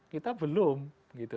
kita belum gitu